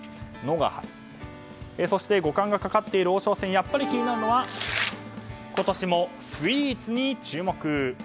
「ノ」が入りましてそして、五冠がかかっている王将戦やっぱり気になるのは今年もスイーツに注目。